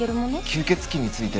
吸血鬼について。